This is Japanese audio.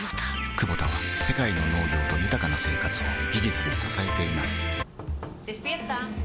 クボタは世界の農業と豊かな生活を技術で支えています起きて。